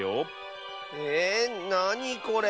えなにこれ？